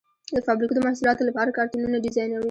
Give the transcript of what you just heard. د فابریکو د محصولاتو لپاره کارتنونه ډیزاینوي.